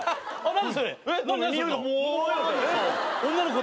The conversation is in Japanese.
何？